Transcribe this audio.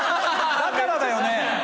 だからだよね？